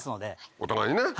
お互いにね。